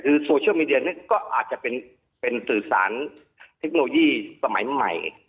คือโซเชียลมีเดียนี่ก็อาจจะเป็นสื่อสารเทคโนโลยีสมัยใหม่